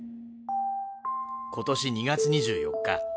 今年２月２４日